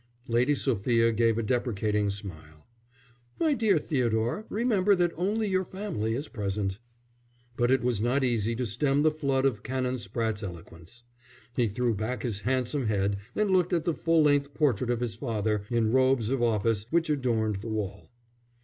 Lady Sophia gave a deprecating smile: "My dear Theodore, remember that only your family is present." But it was not easy to stem the flood of Canon Spratte's eloquence. He threw back his handsome head and looked at the full length portrait of his father, in robes of office, which adorned the wall.